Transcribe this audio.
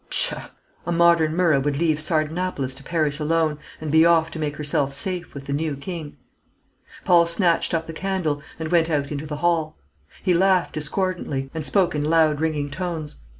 Pshaw! a modern Myrrha would leave Sardanapalus to perish alone, and be off to make herself safe with the new king." Paul snatched up the candle, and went out into the hall. He laughed discordantly, and spoke in loud ringing tones.